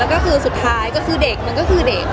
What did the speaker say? แล้วก็คือสุดท้ายก็คือเด็กมันก็คือเด็ก